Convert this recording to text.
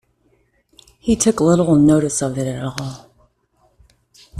He took little notice of it at all.